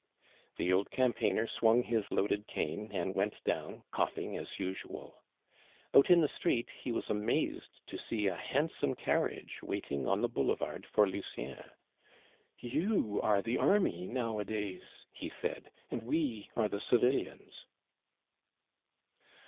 The old campaigner swung his loaded cane, and went down coughing as usual. Out in the street he was amazed to see a handsome carriage waiting on the boulevard for Lucien. "You are the army nowadays," he said, "and we are the civilians."